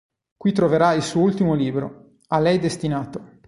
Qui troverà il suo ultimo libro, a lei destinato.